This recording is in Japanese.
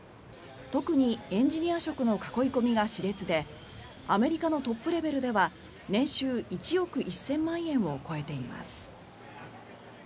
特にエンジニア職の囲い込みが熾烈でアメリカのトップレベルでは年収１億１０００万円を超えています。